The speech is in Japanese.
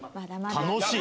楽しい！